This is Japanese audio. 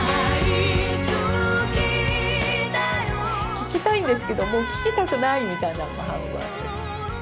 聴きたいんですけども聴きたくないみたいなのも半分あったり。